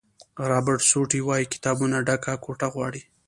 رابرټ سوټي وایي کتابونو ډکه کوټه غواړي.